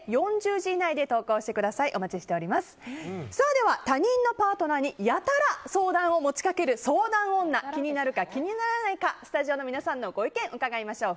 では、他人のパートナーにやたら相談を持ちかける相談女気になるか気にならないかスタジオの皆さんのご意見伺いましょう。